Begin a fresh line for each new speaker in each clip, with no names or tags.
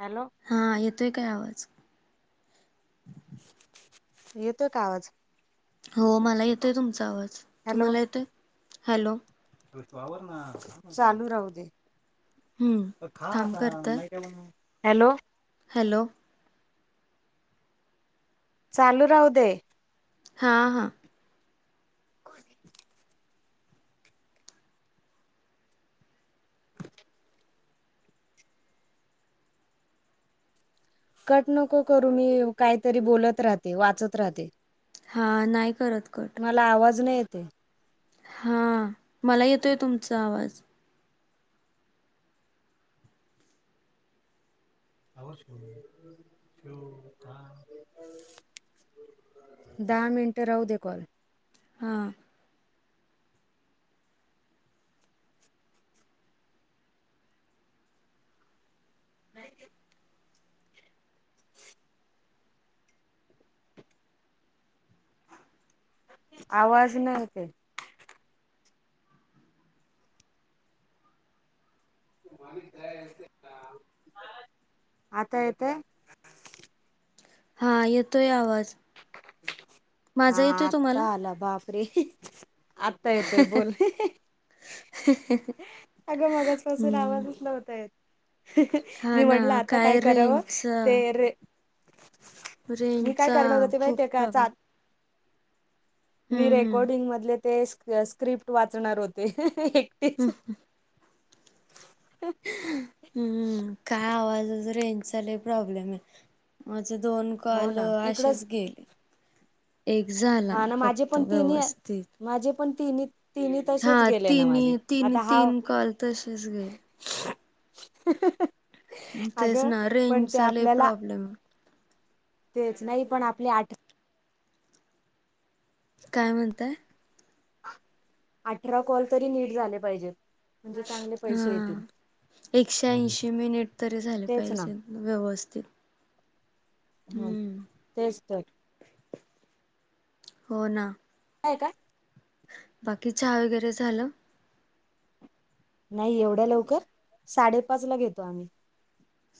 Hello.
हा, येतोय काय आवाज?
येतोय का आवाज?
हो, मला येतोय तुमचा आवाज,
हॅलो
तुम्हाला येतोय? हॅलो.
चालू राहू दे.
हम्म
म, खा
काम
आता,
करताय
नाही का म्हणून. हॅलो.
हॅलो.
चालू राहू दे.
हां, हां.
[unintelligible] कट नको करू मी काहीतरी बोलत राहते वाचत राहते.
हा नाही करत कट.
मला आवाज नाही येते.
हा, मला येतोय तुमचा आवाज.
[unintelligible] दहा मिनिट राहू दे!
हां! !
नाही [inaudible] [unintelligible] आवाज नाही य ते! आता येतंय!
हा येतोय आवाज! !
हा!
तुम्हाला
आता आला बापरे! ! आत्ता येतोय बोल! !
ह हः! !
अगं मगज पाासून आवाजच नव्हता येत!
हा
मी
ना
म्हटलं आता काय करावं
रेंजचा
ते र! !
रेंच! !
करणार होती माहि ते का च! मी
हम्म हम्म
रेकॉर्डिंग मधले, ते स्क्रिप्ट वाचणार होते एक
हम हं! [inaudible] [unintelligible] हम्म! काय आवाजच रे! ! च लई प्रॉब्लेम आहे माझ दोन
हो
कॉल
ना. इकडच
असेच गेले. एक झाला
हा ना माझे
फक्त
पण तिन्ही
व्यवस्थित.
माझे पण तिन तिनी तसेच
हा
गेले ना माझे
तिन्ही तीन
आता हा!
तीन कॉल तसेच गेले
हःह! !
तेच
अगं
ना
पण ते
रेंजचा लय
आपल्याला! !
प्रॉब्लेम आहे.
तेच नाही पण आपले आठ?
काय म्हणताय?
अठरा कॉल तरी नीट झाले पाहिजेत! म्हणजे चांगले
हा
पैसे येतील
एकशे ऐंशी मिनिट तरी झाले
तेच ना
पाहिजेत व्यवस्थित.
ह
हम्म
तेच तर
हो ना?
का का?
बाकी चहा वगैरे झालं?
नाही एवढ्या लवकर साडेपाच ला घेतो आम्ही!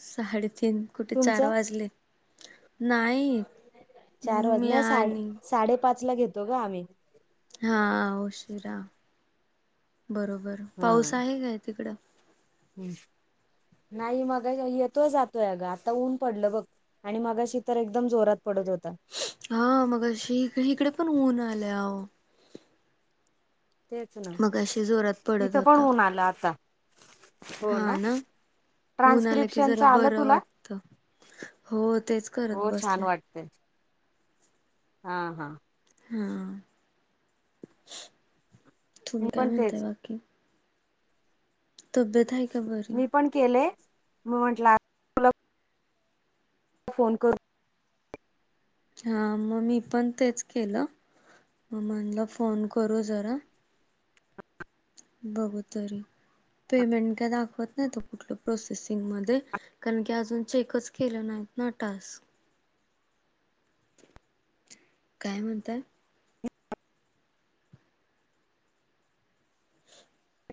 साडेतीन कुठे चार
तुमचं
वाजले! नाही
चार वाज
मी
नाही साडे
आणि!
साडेपाच ला घेतो. दोघ आम्ही
हा उशिरा बरोबर! पाऊस
हा.
आहे काय तिकडं
नाही मग येतो जातोय ग आता ऊन पडलं बघ! आणि मगाशी तर एकदम जोरात पडत होता.
हा! मगाशी इथ इकडे पण ऊन आलेअहो!
तेच ना
मगाशी जोरात पडत
इथं पण
होता.
ऊन आलं आता हो ना?
ऊन आलं की,
ट्रान्स्क्रिप्शनच
जरा
आलं
बरं
तुला
वाटत हो! तेच करत
हो
बरं!
छान वाटत! हा हा!
हा
मी
तुम्ही काय
पण
म्हणताय
तेच
बाकी? तब्येत आहे का बरी?
केलय म म्हंटले आ! ! फोन कर
हा मग मी पण तेच केलं म्हणलं फोन करू जरा. बघू, तरी पेमेंट काय दाखवत नाही तो कुठलं प्रोसेसिंग मध्ये. कारण की अजून चेकच केलं नाहीत न टाक्स काय म्हणताय.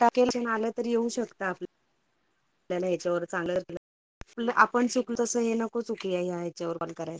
टाकेलजन आलं त येऊ शकता आभी, नही, नही, ह्याच्यावर चांगलं आपण चुकलो तसं हे नको चुक ह्या यांच्या वर बंद करायला.